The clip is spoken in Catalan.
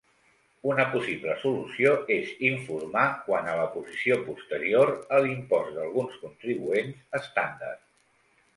Una possible solució és informar quant a la posició posterior a l'impost d'alguns contribuents estàndard.